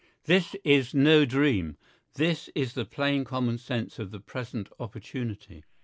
This is no dream. This is the plain common sense of the present opportunity.